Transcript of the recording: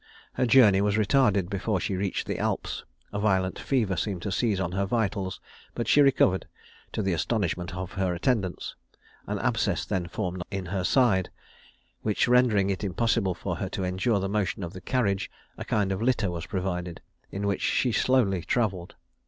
Her journey was retarded before she reached the Alps; a violent fever seemed to seize on her vitals: but she recovered, to the astonishment of her attendants. An abscess then formed in her side, which rendering it impossible for her to endure the motion of the carriage, a kind of litter was provided, in which she slowly travelled.